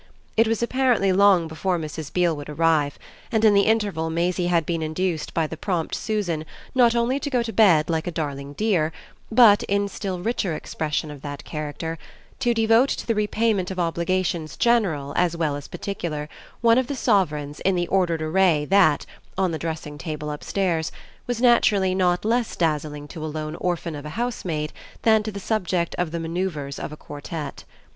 It was apparently long before Mrs. Beale would arrive, and in the interval Maisie had been induced by the prompt Susan not only to go to bed like a darling dear, but, in still richer expression of that character, to devote to the repayment of obligations general as well as particular one of the sovereigns in the ordered array that, on the dressing table upstairs, was naturally not less dazzling to a lone orphan of a housemaid than to the subject of the manoeuvres of a quartette.